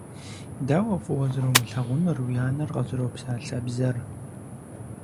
Дауэ фӀыуэ зэрумылъагъунур уи анэр къызэропсалъэ бзэр.